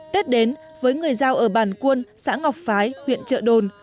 tết đến với người giao ở bàn cuôn xã ngọc phái huyện trợ đồn